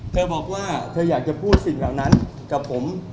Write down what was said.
เธอบอกว่าเธออยากจะพูดสิ่งเหล่านั้นกับผม